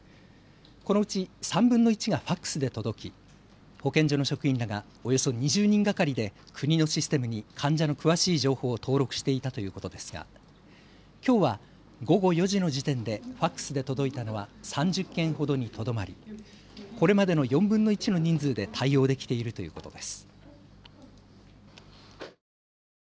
このうち３分の１がファックスで届き保健所の職員らがおよそ２０人がかりで国のシステムに患者の詳しい情報を登録していたということですがきょうは午後４時の時点でファックスで届いたのは３０件ほどにとどまりこれまでの４分の１の人数で対応できているということです。